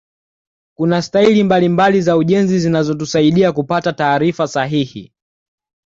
kuna staili mbalimbali za ujenzi zinazotusaaida kupata taarifa sahihi